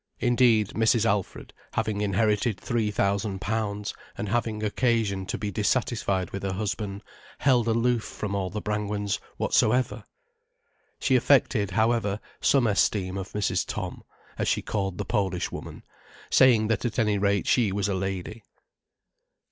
Indeed, Mrs. Alfred, having inherited three thousand pounds, and having occasion to be dissatisfied with her husband, held aloof from all the Brangwens whatsoever. She affected, however, some esteem of Mrs. Tom, as she called the Polish woman, saying that at any rate she was a lady.